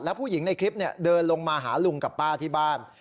ผู้หญิงในคลิปเดินลงมาหาลุงกับป้าที่บ้าน